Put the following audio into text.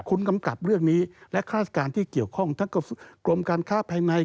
คุณกำกับเรื่องนี้และฆาตการที่เกี่ยวข้องทั้งกรมการค้าภายใน